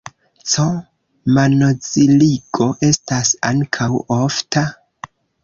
C-manoziligo estas ankaŭ ofta.